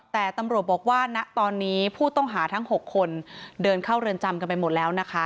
แต่ตำรวจบอกว่าณตอนนี้ผู้ต้องหาทั้ง๖คนเดินเข้าเรือนจำกันไปหมดแล้วนะคะ